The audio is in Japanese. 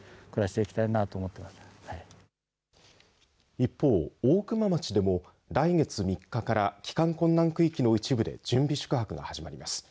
一方、大熊町でも来月３日から帰還困難区域の一部で準備宿泊が始まります。